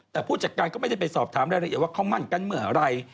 แต่ผู้จัดการก็ไม่ได้ไปสอบถามรายละเอียดว่าเขามั่นกันเมื่อไหร่